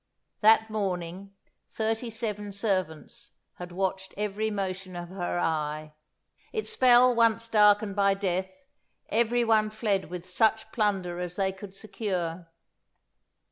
That morning, thirty seven servants had watched every motion of her eye; its spell once darkened by death, every one fled with such plunder as they could secure.